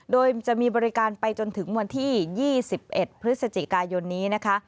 โดยจะมีบริการไปจนถึงวันที่๒๑พฤศจิกายนนี้นะคะ